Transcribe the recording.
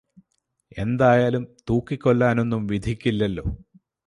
എന്തായാലും തൂക്കിക്കൊല്ലാനൊന്നും വിധിക്കില്ലല്ലോ